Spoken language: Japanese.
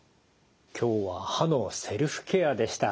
今日は歯のセルフケアでした。